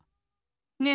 ねえ！